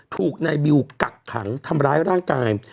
ถูกนายบิวกักขังทำร้ายร่างกาย